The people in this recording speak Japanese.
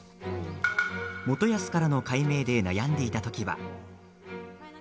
元康からの改名で悩んでいた時は。